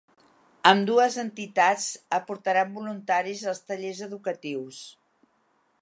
Ambdues entitats aportaran voluntaris als tallers educatius.